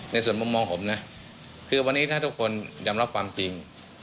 ในส่วนมุมมองผมนะคือวันนี้ถ้าทุกคนยอมรับความจริง